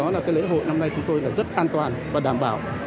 lễ hội năm nay chúng tôi rất an toàn và đảm bảo